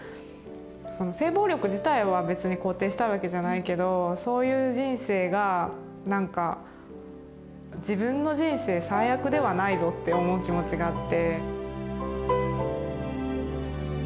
その性暴力自体は別に肯定したいわけじゃないけどそういう人生がなんか「自分の人生最悪ではないぞ」って思う気持ちがあって。